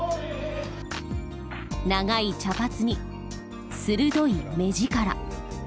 長い茶髪に鋭い目力。